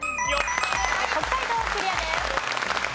北海道クリアです。